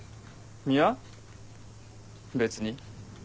いや別に。